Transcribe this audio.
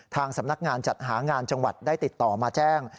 ทางสำนักงานจัดหางานจังหวัดได้ติดต่อมาแจ้ง